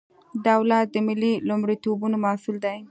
دولت د ملي لومړیتوبونو مسئول دی.